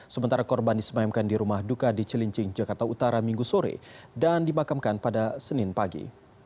sementara korban disemayamkan di rumah duka di cilincing jakarta utara minggu sore dan dimakamkan pada senin pagi